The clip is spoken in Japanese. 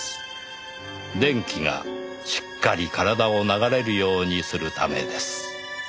「電気がしっかり体を流れるようにするためです」